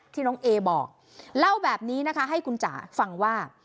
น้องเอบอกเล่าแบบนี้นะคะให้คุณจ๋าฟังว่า